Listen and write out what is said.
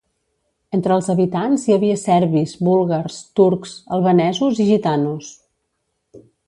Entre els habitants hi havia serbis, búlgars, turcs, albanesos i gitanos.